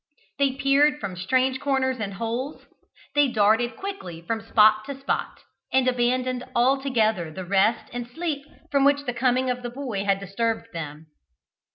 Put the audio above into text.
They peered from strange corners and holes, they darted quickly from spot to spot, and abandoned altogether the rest and sleep from which the coming of the boy had disturbed them.